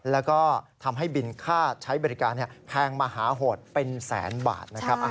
แล้วก็ทำให้บินค่าใช้บริการแพงมหาโหดเป็นแสนบาทนะครับ